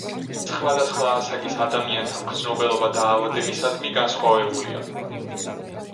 სხვადასხვა ასაკის ადამიანთა მგრძნობელობა დაავადებისადმი განსხვავებულია.